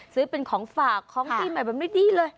ซื้อเป็นของฝากของปีใหม่แบบนี้ดีเลย